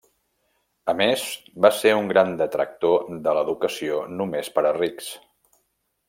A més, va ser un gran detractor de l'educació només per a rics.